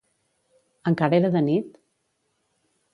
Encara era de nit?